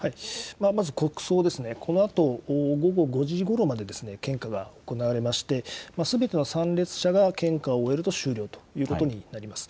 まず国葬ですね、このあと午後５時ごろまで献花が行われまして、すべての参列者が献花を終えると終了ということになります。